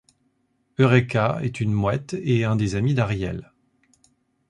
Eurêka est une mouette et un des amis d'Ariel.